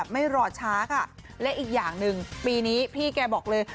ไม่รอช้าค่ะและอีกอย่างหนึ่งปีนี้พี่แกบอกเลย